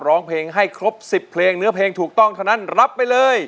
ร้องเพลงให้ครบ๑๐เพลงเนื้อเพลงถูกต้องเท่านั้นรับไปเลย